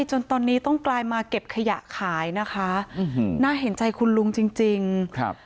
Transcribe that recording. จนตอนนี้ต้องกลายมาเก็บขยะขายนะคะอืมน่าเห็นใจคุณลุงจริงจริงครับ